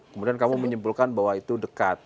kemudian kamu menyimpulkan bahwa itu dekat